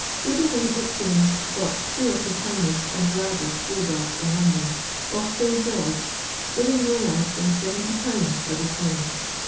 Ibrahim, it seems, bought two of the finest and largest bull dogs in London, of Bill George, giving no less than 70/. for the twain.